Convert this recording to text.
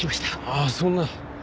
あっそんな。